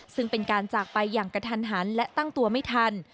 ซึ่งเป็นการจากไปอย่างกระทันหันและตั้งตัวไม่ทัน